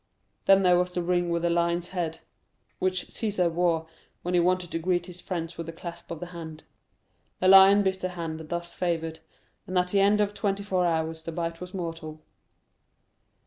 Then there was the ring with the lion's head, which Cæsar wore when he wanted to greet his friends with a clasp of the hand. The lion bit the hand thus favored, and at the end of twenty four hours, the bite was mortal.